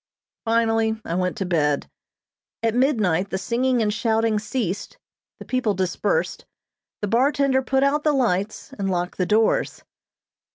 Finally I went to bed. At midnight the singing and shouting ceased, the people dispersed, the bartender put out the lights, and locked the doors.